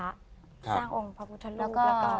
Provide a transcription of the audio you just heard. สร้างองค์พระพุทธรูปแล้วก็